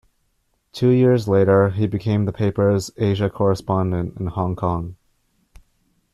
Two years later he became the paper's Asia correspondent in Hong Kong.